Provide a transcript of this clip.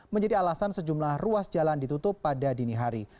menjadi alasan sejumlah ruas jalan ditutup pada dini hari